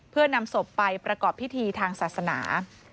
เพื่อนำศพไปประกอบพิธีทางศาสนา